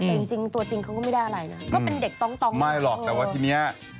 แต่ตัวจริงเขาก็ไม่ได้อะไรนะ